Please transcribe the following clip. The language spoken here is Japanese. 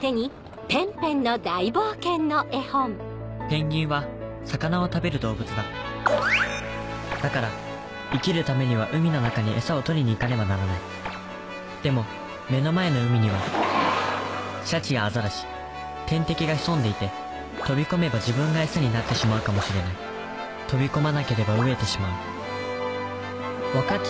ペンギンは魚を食べる動物だだから生きるためには海の中に餌を取りに行かねばならないでも目の前の海にはシャチやアザラシ天敵が潜んでいて飛び込めば自分が餌になってしまうかもしれない飛び込まなければ飢えてしまう分かっ